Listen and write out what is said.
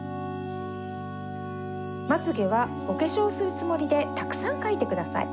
まつげはおけしょうするつもりでたくさんかいてください。